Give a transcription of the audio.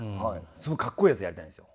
すごいかっこいいやつやりたいんですよ。